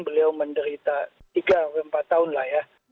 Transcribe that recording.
beliau menderita tiga empat tahun lah ya